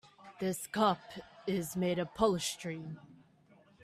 This cup is made of polystyrene.